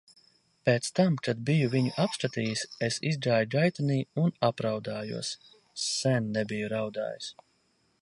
Pēc tam, kad biju viņu apskatījis, es izgāju gaitenī un apraudājos. Sen nebiju raudājis.